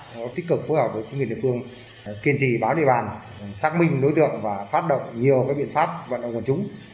nó tích cực phối hợp với chính quyền địa phương kiên trì bám địa bàn xác minh đối tượng và phát động nhiều biện pháp vận động quần chúng